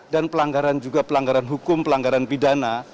dan pelanggaran juga pelanggaran hukum pelanggaran pidana